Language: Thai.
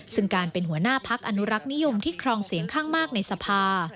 ซึ่งการเป็นหัวหน้าพักอนุรักษ์นิยมที่ครองเสียงข้างมากในสภา